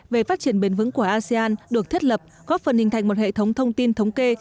về phát triển bền vững của asean được thiết lập góp phần hình thành một hệ thống thông tin thống kê